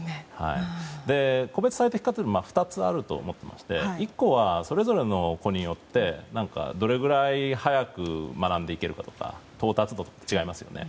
個別最適化というのは２つあると思っていまして１個はそれぞれの子によってどれぐらい早く学んでいけるかとか到達度とかも違いますよね。